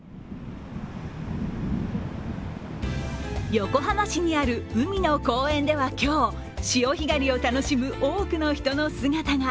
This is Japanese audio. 横浜市にある海の公園では今日、潮干狩りを楽しむ多くの人の姿が。